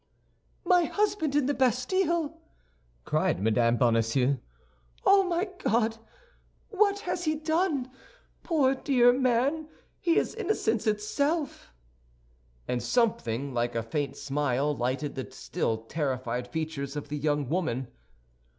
"My husband in the Bastille!" cried Mme. Bonacieux. "Oh, my God! What has he done? Poor dear man, he is innocence itself!" And something like a faint smile lighted the still terrified features of the young woman.